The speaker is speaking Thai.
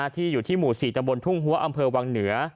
ที่อยู่ที่หมู่๔ตำบลทุ่งหัวอำเภอวังเหนือ